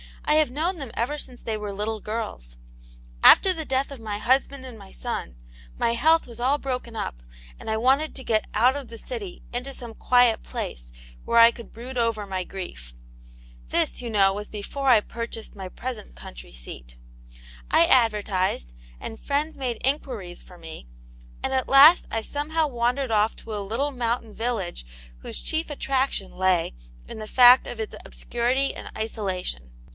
I have known them ever since they were little girls. After the death of my husband and my son, my health was all broken up, and 1 nn;^^^^^ \.^^\ "CiXiX 62 Aunt yam's Hero. . of the city into some quiet place, where I could brood over my grief. This, you know, was before I purchased my present country seat. I advertised, and friends made inquiries for me, and at last I somehow wandered off to a little mountain village whose chief attraction lay in the fact of its obscurity and isolation.